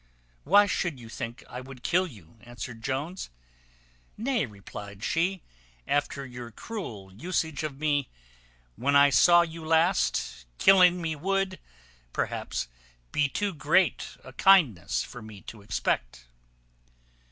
"Why should you think I would kill you?" answered Jones. "Nay," replied she, "after your cruel usage of me when I saw you last, killing me would, perhaps, be too great kindness for me to expect."